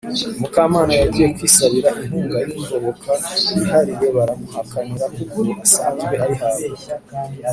mukamana yagiye kwisabira inkunga y ingoboka yihariye baramuhakanira kuko asanzwe ayihabwa